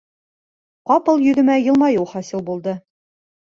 Ҡапыл йөҙөнә йылмайыу хасил булды.